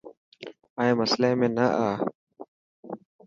مائي مسلي ۾ نا آءِ.